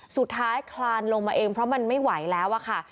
คลานลงมาเองเพราะมันไม่ไหวแล้วอะค่ะ